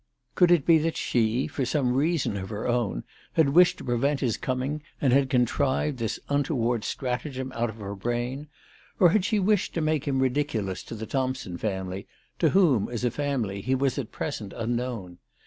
Could it be that she, for some reason of her own, had wished to prevent his coming, and had contrived this untoward stratagem out of her brain ? or had she wished to make him ridiculous to CHRISTMAS AT THOMPSON HALL. 253 the Thompson family, to whom, as a family, he was at present unknown